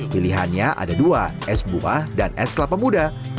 pilihannya ada dua es buah dan es kelapa muda